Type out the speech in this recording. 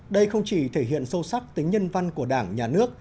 đây không chỉ thể hiện sâu sắc tính nhân văn của đảng nhà nước